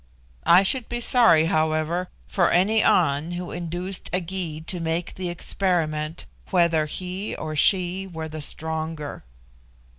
I should be sorry, however, for any An who induced a Gy to make the experiment whether he or she were the stronger.